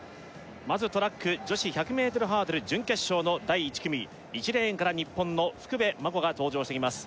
まずトラック女子１００ｍハードル準決勝の第１組１レーンから日本の福部真子が登場してきます